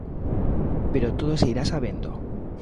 Pero todo se irá sabendo.